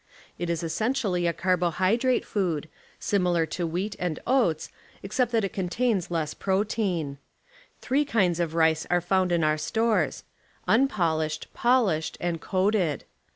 It is essentially a earbohj^lrate food, similar to wheat and oats Tj. except that it contains less protein. Three kinds of rice are found in our stores, "unpolished", "polished" and "coated".